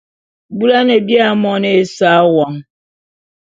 Bula’ane bia moni esa won !